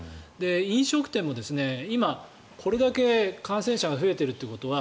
飲食店も今、これだけ感染者が増えているということは